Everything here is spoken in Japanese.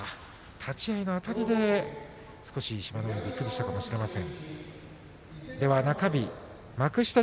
立ち合いのあたりで志摩ノ海、びっくりしたかもしれません。